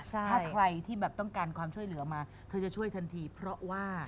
ถ้าใครที่แบบต้องการความช่วยเหลือมาเธอจะช่วยทันทีเพราะว่า